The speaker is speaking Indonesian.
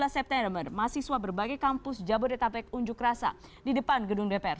dua belas september mahasiswa berbagai kampus jabodetabek unjuk rasa di depan gedung dpr